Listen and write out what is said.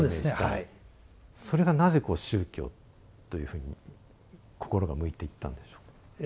それがなぜこう宗教というふうに心が向いていったんでしょう？